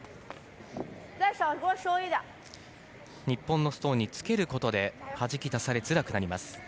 日本のストーンにつけることではじき出されづらくなります。